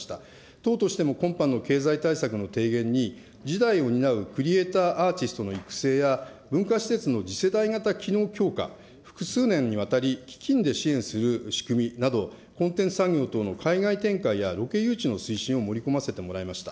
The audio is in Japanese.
党としても今般の経済対策の提言に、次代を担うクリエーターアーティーストの育成や、文化施設の次世代型機能強化、複数年にわたり基金で支援する仕組みなど、コンテンツ産業の海外展開やロケ誘致の推進を盛り込ませてもらいました。